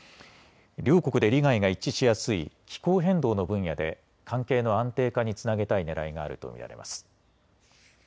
両国で利害が一致しやすい気候変動の分野で関係の安定化につなげたいねらいがあると見られます。